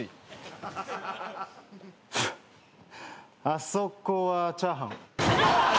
あそこはチャーハン。